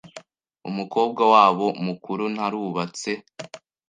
Umukobwa wabo mukuru ntarubatse.